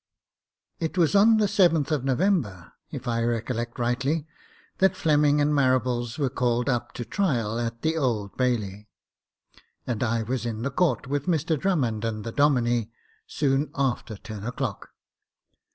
It was on the 7th of November, if I recollect rightly, that Fleming and Marables were called up to trial at the Old Bailey, and I was in the court, with Mr Drummond and the Domine, soon after ten o'clock.